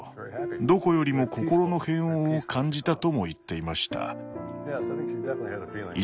どこよりも心の平穏を感じたとも言っていました。